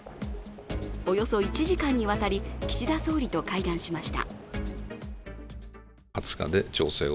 およそ１時間にわたり岸田総理と会談しました。